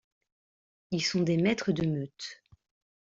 Ils sont des maîtres de meutes.